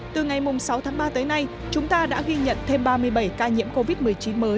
từ ngày sáu tháng ba tới nay chúng ta đã ghi nhận thêm ba mươi bảy ca nhiễm covid một mươi chín mới